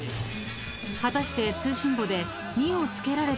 ［果たして］